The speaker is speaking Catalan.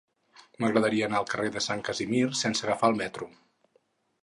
M'agradaria anar al carrer de Sant Casimir sense agafar el metro.